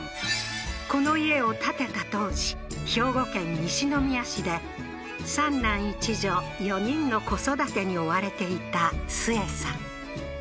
この家を建てた当時兵庫県西宮市で三男一女４人の子育てに追われていたスエさん